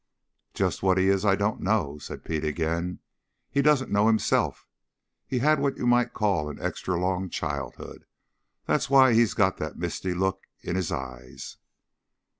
"Just what he is I don't know," said Pete again. "He doesn't know himself. He's had what you might call an extra long childhood that's why he's got that misty look in his eyes."